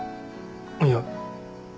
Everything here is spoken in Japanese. いや。